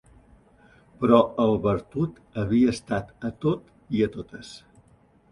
Però el barbut havia estat a tot i a totes.